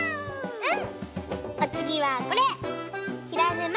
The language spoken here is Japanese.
うん！